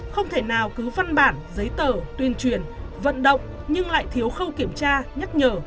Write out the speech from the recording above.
không thể nào cứ văn bản giấy tờ tuyên truyền vận động nhưng lại thiếu khâu kiểm tra nhắc nhở